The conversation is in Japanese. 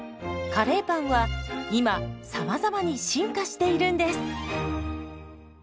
カレーパンは今さまざまに進化しているんです。